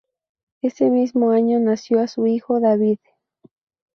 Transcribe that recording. Ese mismo año nació a su hijo David.